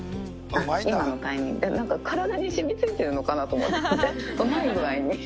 今のタイミング、なんか体にしみついているのかなと思って、うまい具合に。